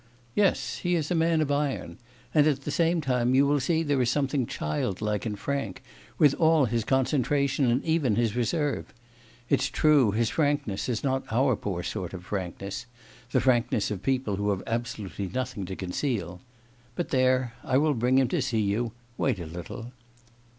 'Yes. He is a man of iron. And at the same time you will see there is something childlike and frank, with all his concentration and even his reserve. It's true, his frankness is not our poor sort of frankness the frankness of people who have absolutely nothing to conceal.... But there, I will bring him to see you; wait a little.